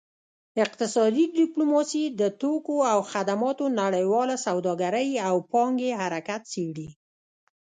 اقتصادي ډیپلوماسي د توکو او خدماتو نړیواله سوداګرۍ او پانګې حرکت څیړي